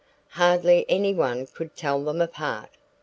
Hardly any one could tell them apart.